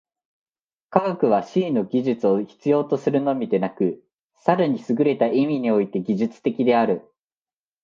科学は思惟の技術を必要とするのみでなく、更にすぐれた意味において技術的である。